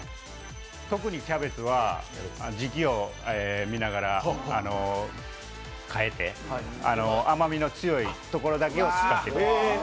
特にキャベツは時期を見ながら変えて、甘みの強いところだけを使っています。